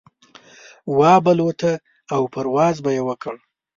وابه لوته او پرواز به يې وکړ.